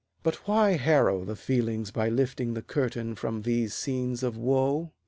But why harrow the feelings by lifting the curtain From these scenes of woe?